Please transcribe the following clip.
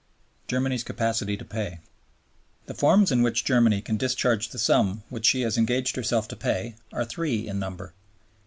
Germany's Capacity to pay The forms in which Germany can discharge the sum which she has engaged herself to pay are three in number 1.